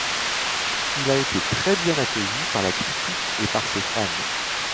Il a été très bien accueilli par la critique et par ses fans.